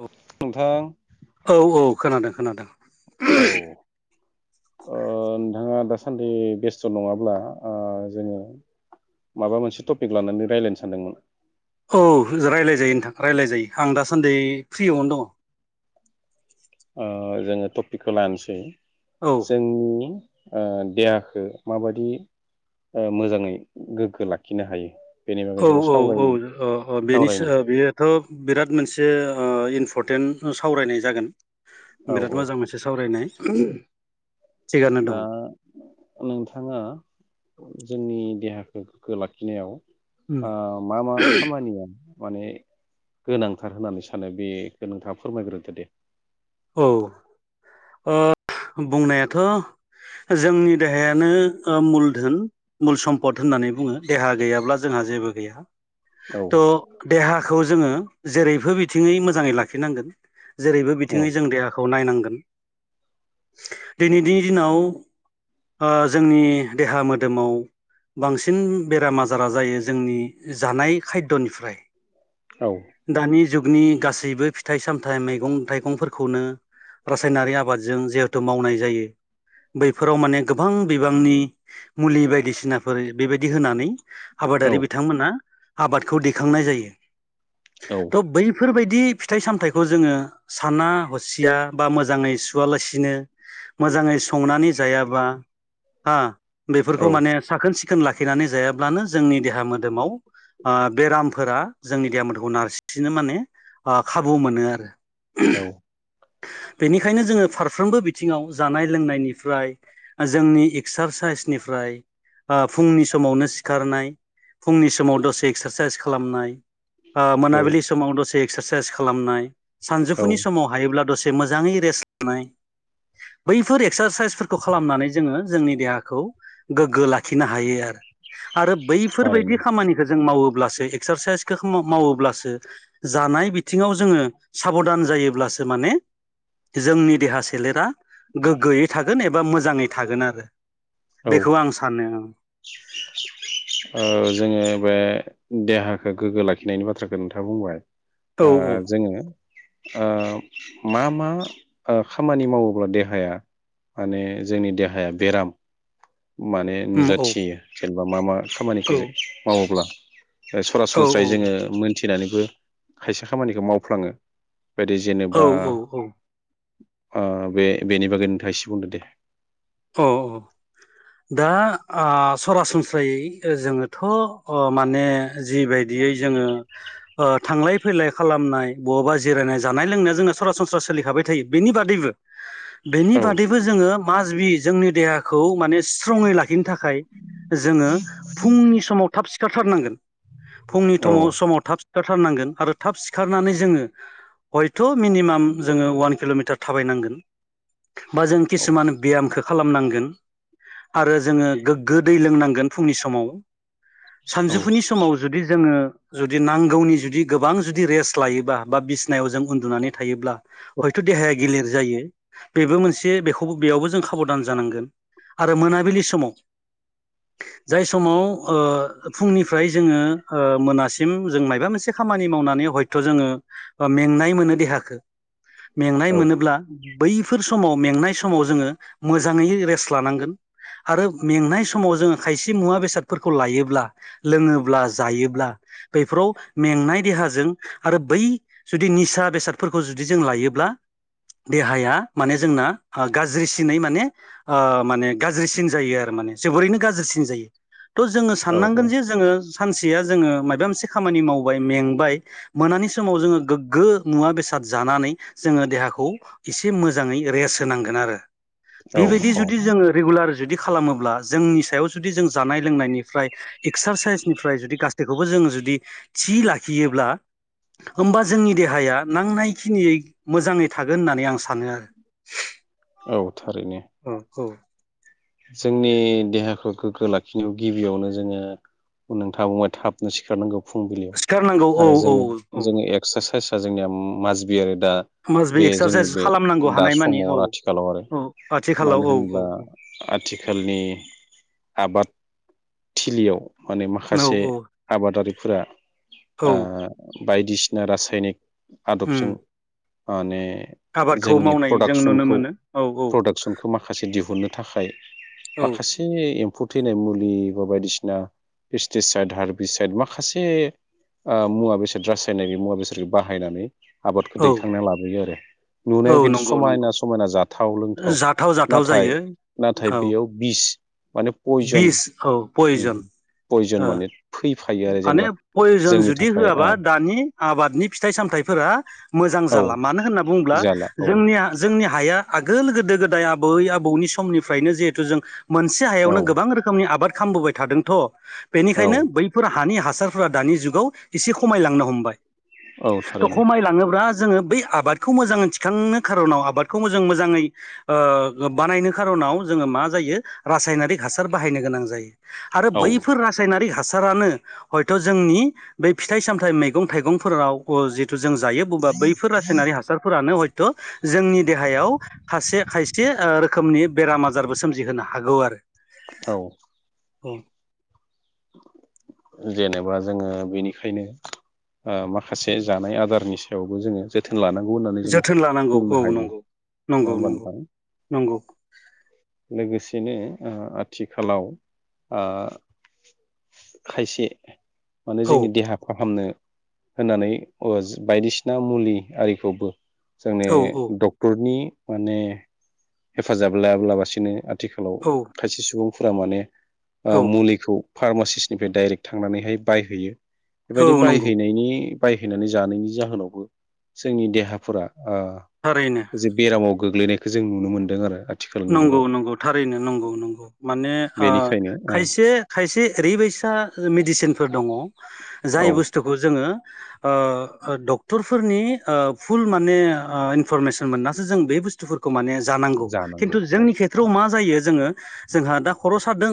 औ नोंथां औ औ खोनादों खोनादों औ ओ नोंथाङा दासान्दि बेस्थ' नङाब्ला ओ जोङो माबा मोनसे टपिक लानानै रायलायनो सानदोंमोन औ रायलायजायो नोंथां रायज्लायजायो आं दासान्दि फ्रियावनो दङ। ओ जोङो टपिकखौ लानोसै औ जोंनि ओ देहाखो माबायदि मोजाङै गोग्गो लाखिनो हायो? बेनि बागै औ जोङो औ सावरायनो औ बेनि सावरायनो बेयोथ' बिराद मोनसे इन परटेन्ट सावरायनाय जागोन, औ बिराद औ मोजां मोनसे सावरायनाय थिगानो दा दं नोंथाङा जोंनि देहाखौ गोग्गो लाखिनायाव उम ओ मा मा खामानिया माने गोनांथार होननानै सानो बे नोंथाङा फोरमायग्रोदो दे। औ ओ बुंनायाथ' जोंनि देहायानो मुल धोन, मुल सम्पद होननानै बुङो देहा गैयाब्ला जोंहा जेबो गैया, औ थ देहाखौ जोङो जेरैबो बिथिङै मोजाङै लाखिनांगोन। जेरैबो औ बिथिङै जों देहाखौ नायनांगोन दिनैनि दिनाव ओ जोंनि देहा मोदोमाव बांसिन बेराम आजारा जायो जोंनि जानाय खायद'निफ्राय औ दानि जुगनि गासैबो फिथाइ सामथाइ मैगं थाइ गंफोरखौनो रासायनारि आबादजों जिहेथु मावनाय जायो। बैफोराव माने गोबां बिबांनि मुलि बायदिसिनाफोर बेबायदि होनानै औ आबादारि बिथांमोना आबादखौ दैखांनाय जायो औ थ' बैफोरबायदि फिथाइ सामथाइखौ जोङो साना हसिया बा मोजाङै सुवालासिनो मोजाङै संनानै जायाबा हा औ बेफोरखौ माने साखोन सिखोन लाखिनानै जायाब्लानो जोंनि देहा मोदोमाव बेरामफोरा जोंनि देहाामखौ नारसिननो माने खाबु मोनो आरो। औ बेनिखायनो जोङो फारफ्रोमबो बिथिङाव जानाय लोंनायनिफ्राय जोंनि एक्सारसाइसनिफ्राय फुंनि समावनो सिखारनाय फुंनि समाव दसे एक्सारसाइस खालामनाय। औ मोनाबिलि समाव दसे एक्सारसाइस खालामनाय औ सानजौफुनि समाव हायोब्ला दसे मोजाङै रेस होननाय बैफोर एक्सारसाइसफोरखौ खालामनानै जोङो जोंनि देहाखौ गोग्गो लाखियो लाखिनो हायो आरो आरो बैफोरबायदि थारैनो खामानिखौ जों मावो सो एक्सारसाइसखौ मावोब्लासो जानाय बिथिङाव जोङो साबधान जायोब्लासो माने जोंनि देहा सोलेरा गोग्गोयै थ थागोन एबा मोजाङै थागोन आरो औ बेखौ आं सानो [inaudible] जोङो बे देहाखौ गोग्गो लाखिनायनि बाथ्राखौ नोंथाङा बुंबाय। औ ओ जोङो ओ मा मा खामानि मावोब्ला देहाया माने जोंनि देहाया बेराम माने उम औ नुजाथियो जेनेबा मा मा औ खामानिखौ मावोब्ला। सरासनस्रायै औ जोङो मोनथिनानैबो खायसे खामानिखौ मावफ्लाङो। बे बदि औ जेनेबा औ औ बे बेनि बागै नोंथाङा एसे बुंदो दे। औ औ दा सरासनस्रायै जोङोथ' माने जिबायदि जो थांलाय फैलाय खालामनाय बबबा जिरायनाय जानाय लोंनाय जोंना सरासनस्रासो सोलिखाबाय थायो बेनि बादैबो बेनि औ बादैबो जोङो माजबि जोंनि देहाखौ माने स्ट्रङै लाखिनो थाखाय जोङो फुंनि समाव थाब सिखारथारनांगोन। फुंनि औ थमाव समाव थाब सिखारथारनांगोन आरो थाब सिखारनानै जोङो हयथ' मिनिमाम जोङो अवान किल'मिटार थाबायनांगोन। बा जों औ किसुमान बियामखौ खालामनांगोन आरो जोङो गोग्गो दै लोंनांगोन फुंनि समाव। औ सानजौफुनि समाव जुदि जोङो। जुदि नांगौनि जुदि गोबां जुदि रेस्ट लायोबा बा बिसनायाव जों उन्दुनानै थायोब्ला हयथ' देहाया गिलेर जायो बेबो मोनसे बेखौबो बेयावबो जों साबधान जानांगोन आरो मोनाबिलि समाव जाय समाव ओ फुंनिफ्राय जोङो मोना सिम जों माबा मोनसे खामानि मावनानै हयथ' जोङो मेंनाय मोनो देहाखौ मेंनाय औ मोनोब्ला बैफोर समाव मेंनाय समाव जोङो मोजाङै रेस्ट लानांगोन। आरो मेंनाय समाव जोङो खायसे मुवा बेसादफोरखौ लायोब्ला लोङोब्ला जायोब्ला बैफोराव मेंनाय देहाजों आरो बै जुदि निसा बेसादफोरखौ जुदि जों लायोब्ला देहाया माने जोंना गाज्रिसिन नै माने माने गाज्रिसिन जायो आरो माने जोबोरैनो गाज्रिसिन जायो। थ' जोङो औ औ साननांगोन जे जोङो सानसेया जोङो माबा मोनसे खामानि मावबाय मेंबाय मोनानि समाव जोङो गोग्गो मुवा बेसाद जानानै जोङो देहाखौ खौ एसे मोजाङै रेस होनांगोन आरो। औ बेबायदि औ जुदि जोङो रेगुल जुदि खालामोब्ला जोंनि सायाव जुदि जों जानाय लोंनायनिफ्राय एक्सारसाइसनिफ्राय जुदि गासैखौबो जों जों जुदि थि लाखियोब्ला होमबा जोंनि देहाया नांनाय खिनियै मोजाङै थागोन होननानै आं सानो आरो। औ थारैनो औ औ जोंनि देहाखौ गोग्गो लाखिनायाव गिबियावनो जोङो नोंथा बुंबाय थाबनो सिखारनांगौ फुंबिलियाव सिखारनांगौ औ आरो औ जोङो औ जोङो एक्सारसाइस जोंनिया माजबिआरेप दा मास बे जोंनि एक्सारसाइस बे खालामनांगौ दा हानाय मानि समाव औ आरो आथिखालाव आरो औ आथिखालाव मानो औ औ होनब्ला आथिखालनि आबाद थिलियाव माने औ माखासे औ आबादारिफोरा औ ओ बायदिसिना रासायनिक उम आदबजों माने आबादखौ जोंनि मावनाय जों नुनो प्रडाक्सनखौ मोनो औ औ प्रडाक्सनखौ माखासे दिहुननो थाखाय औ माखासे एम फु थैनाय मुलि बा बायदिसिना पेस्टिसाइद हारबिसाइद माखासे ओ मुवा बेसाद रासायनाय मुवा बेसादखौ बाहायनानै आबादखौ औ दैखांना लाबोयो आरो औ नुनायाव खिन्थु नंगौ समायना नंगौ समायना जाथाव लोंथाव जाथाव नाथाय जायो। नाथाय औ बेयाव बिस माने पयजन बिस औ पयजन पयजन ओ माने फै माने पयजन जुदि होआबा दानि आबादनि फिथाइ सामथाइफोरा मोजां ओ जा औ ला मानो होनना बुंब्ला जाला औ जोंनिया जों जोंनि हाया आगोल गोदो गोदाय आबै आबौनि समनिफ्रायनो जिहेथु जों मोनसे औ हायावनो गोबां रोखोमनि आबाद खालामबोबाय थादोंथ' औ बेनिखायनो बै हानि हासारफोरा दानि जुाव एसे खमायांनो हमबाय‌ औ त' थारैनो खमायलाङोब्ला जोङो बै आबादखौ मोजाङै थिखांनो खार'नाव आबादखौ मोजां मोजाङै ओ बानायनो खार'नाव नाव जों मा जायो रासायनिक हासार बाहायनो गोनां जायो आरो औ बैफोर रासायनारि रानो हयथ' जोंनि बे फिथाइ सामथाइ मैगं थाइगंफोराव जिथु जों जायो बबा बैफोर रासायनारि हासारफोरानो हय थ' जोंनि देहायाव खासे खायसे ओ रोखोमनि बेराम आजारबो सोमजिहोनो हागौ आरो। औ औ जेनेबा जोङो बेनिखायनो ओ‌ माखासे जानाय आदारनि सायावबो जोङो जोथो नलानांगौ होननानै जोङो जोथोन लानांगौ औ बुंनो हायो नंगौ नङा नंगौ होमबा नंगौ नोंथां? नंगौ लोगोसेनो ओ आथिखालाव ओ खायसे माने औ जोंनि देहा फाहामनो होननानै अह बायदिसिना मुलि आरिखौबो जोंनि औ औ डक्टरनि माने हेफाजाब लायाब्लाबसिनो आथिखालाव खायसे सुबुंफोरा माने ओ औ मुलिखो फार्मासिसनिफ्राय डाइरेक्ट थांनानैहाय बायहैयो बेबायदि औ नंगौ बायहैनायनि बायहैनानै जानायनि जाहोनावबो जोंनि देहाफोरा थारैनो ओ जे बेरामाव गोग्लैनायखौ जों नुनो मोनदों आरो। आथिखालनि नंगौ जुगाव नंगौ थारैनो नंगौ नंगौ माने बेनिखायनो औ खायसे खायसे ओरैबाय सा मेडिसिनफोर दंङ औ जाय बुस्थुखौ जोङो ओ डक्टरफोरनि ओ फुल माने ओ इनफरमेसन मोननासो जों बे बुस्थुफोरखौ माने जानांगौ खिन्थु जोंनि खेथ्रआव मा जायो जोङो जोंहा दा खर' सादों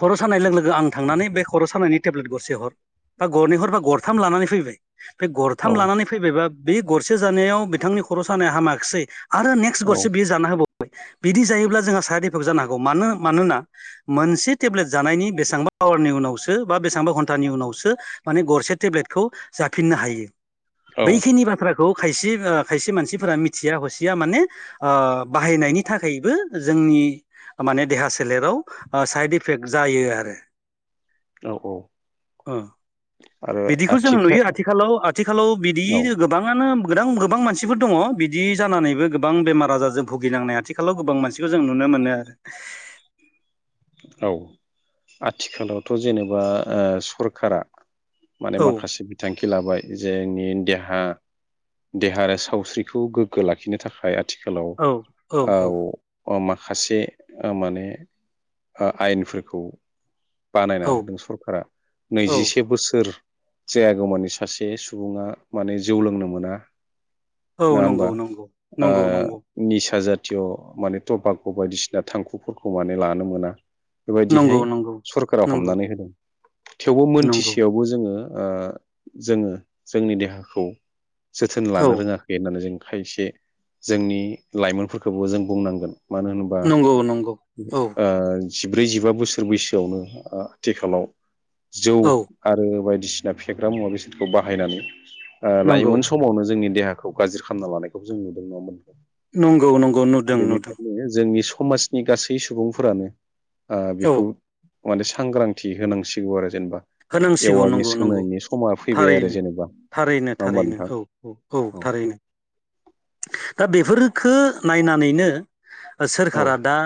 खर' सानाय लोगो लोगो आं थांनानै बे खर' सानायनि टेब्लेट गरसे हर बा गरनैहर बा गरथाम लानानै फैबाय बे औ गरथाम लानानै फैबायबा बे गरसे जानायाव बिथांनि खर' सानाया हामाखिसै आरो नेक्स्ट औ गरसे बियो जाना होबाय बिदि जायोब्ला जोंहा साइड इफेक्ट जानो हागौ मानो मानोना मोनसे टेब्लेट जानायनि बेसेबांबा आवारनि उनावसो बा बेसेबांबा घन्टानि उनावसो माने गरसे टेब्लेटखौ जाफिननो हायो। औ बैखिनि बाथ्राखौ खायसे खायसे मानसिफोरा मिथिया हसिया माने बाहायनायनि थाखायबो जोंनि माने देहा सोलेराव ओ साइड इफेक्ट जायो आरो। औ औ। ओ आरो बिदिखौ जों नुयो आथिखाल आथिखालाव आथिखालाव बिदि औ गोबाङानो गोबां गोबां मानसिफोर दङ बिदि जानानैबो गोबां बेमार आजारजों भुगिनांनाय आथिखालाव गोबां मसिखौ जों नुनो मोनो आरो। औ आथिखालावथ' जेनेबा ओ सरखारा माने आरो औ माखासे बिथांखि लाबाय जोंनि देहा देहा आरो सावस्रिखौ गोग्गो लाखिनो थाखाय आथिखालाव औ औ औ ओव माखासे ओ माने ओ आयेनफोरखौ बानायना औ होदों सरकारा। औ नैजिसे बोसोर जायागौमानि सासे सुबुङा माने जौ लोंनो मोना। औ नङा होमबा? नंगौ नंगौ ओ नंगौ नंगौ निसा जा तिय माने टबाक्क' बायदिसिना थांखुफोरखौ माने लानो मोना। नंगौ बेबायदिहाय नंगौ सरकारा नंगौ हमनानै होदों। थेवबो नंगौ मोनथिसेयावबो जोङो ओ जोङो जोंनि देहाखौ जोथोन औ लानो रोङाखै होननानै जों खायसे जोंनि लाइमोनफोरखौबो जों बुंनांगोन। मानो होनोबा नंगौ नंगौ औ ओ जिब्रै जिबा बोसोर बैसोआवनो आथिखालाव जौ औ आरो बाय दिसिना फेग्रा मुवा बेसादखौ बाहायनानै नंगौ लाइमोन समावनो जोंनि देहा खौ गाज्रि खालामना लानायखौ जों नुदों नङा होनबा? नंगौ नंगौ नुदों नुदों बेनिखायनो जोंनि समाजनि गासै सुबुंफोरानो ओ औ बेखौ माने सांग्रांथि होनांसिगौ आरो जेनेबा होनांसिगौ नंगौ एवारनेस नंगौ होनायनि समा फैबाय आरो थारैनो जेनेबा। थारैनो नङा होमबा थारैनो नोंथां औ औ औ थारैनो। दा बेफोरखो नायनानैनो औ सोरखारा दा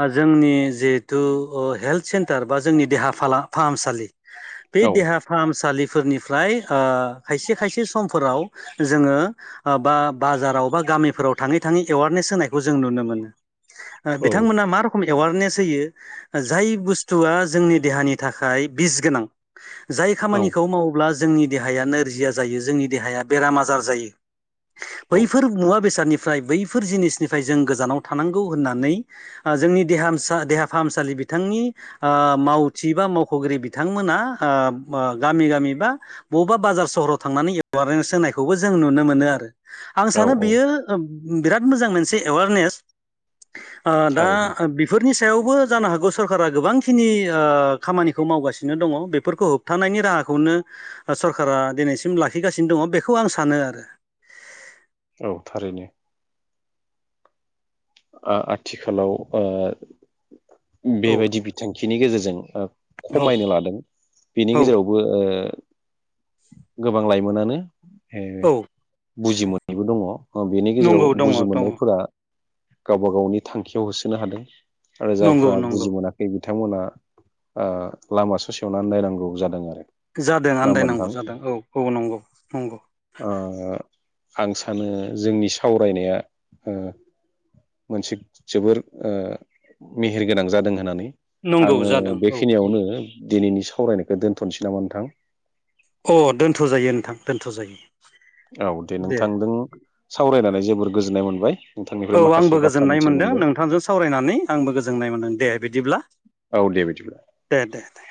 ओ जोंनि जिहेथु ओ हेल्थ सेन्टार बा जोंनि देहा फाला फाहामसालि बे औ देहा फाहामसालि फोरनिफ्राय ओ खायसे खायसे समफोराव जोङो बा बाजाराव बा गामिफोराव थाङै थाङै एवारनेस होनायखौ जों नुनो मोनो। ओ औ बिथांमोना मा रोखोमै एवारनेस होयो जाय बुस्थुआ जोंनि देहानि थाखाय बिस गोनां जाय औ खामानिखौ मावोब्ला जोंनि देहाया नोरजिया जायो, जोंनि देहाया बेराम आजार जायो औ बैफोर मुवा बेसादनि फ्राय बैफोर जिनिसनिफ्राय जों गोजानाव थानांगौ होननानै ओ जोंनि देहासा देहाफाहामसालि बिथांनि ओ मावथि बा मावख'गिरि बिथांमोना ओ ओ गामि गामि बा बबेबा बाजार सहराव थांनानै एवारनेस होनायखौबो जों नुनो मोनो आरो। आं औ सानो औ बियो बिराद मोजां मोनसे एवारनेस। ओ दा थारैनो बेफोर नि सायावबो जानो हागौ सरकारा गोबांखिनि ओ खामानिखौ मावगासिनो दङ। बेफोरखौ होबथानायनि राहाखौनो सरकारा दिनैसिम लाखिगासिनो दङ बेखौ आं सानो आरो। औ थारैनो। आथिखालाव ओ औ बेबायदि बिथांखिनि गेजेरजों औ खमायनो लादों बेनि औ गेजेरावबो ओ गोबां लाइमोनानो ऐ औ बुजिमोनैबो दङ बेनि गेजेराव नंगौ दङ बुजि दङ मोननायफोरा गावबा गावनि थांखियाव होसोनो हादों आरो नंगौ जायफोरा नंगौ बुजि मोनाखै बिथांमोना ओ लामा ससेयावनो आन्दायनांगौ जादों आरो जादों ना होमबा आन्दायनांगौ नोंथां जादों औ औ नंगौ नंगौ ओ आं सानो जोंनि सावरायनाया ओ मोनसे जोबोर ओ मेहेर गोनां जादों होननानै नंगौ आङो जादों औ बेखिनियावनो दिनैनि सावरायनायखौ दोनथ'नोसै नामा नोंथां अ दोन्थ' जायो नोंथां दोनथ' जायो औ दे नोंथांजों सावरायनानै जोबोर गोजोननाय मोनबाय औ नोंथांनिफ्राय माखासे आंबो बाथ्रा गोजोननाय मिथिनो मोनदों मोनबाय नोंथांजों सावरायनानै आंबो गोजोननाय मोनदों दे बिदिब्ला औ दे बिदिब्ला दे दे दे